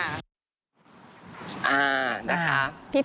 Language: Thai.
อ่านะคะ